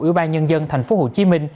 ủy ban nhân dân tp hcm